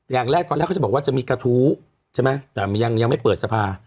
อย่างแรกตอนแรกเขาจะบอกว่าจะมีกระทู้ใช่ไหมแต่ยังไม่เปิดสภา